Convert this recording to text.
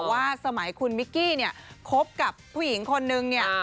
ว่าสมัยคุณมิกกี้เนี่ยคบกับผู้หญิงคนนึงเนี่ย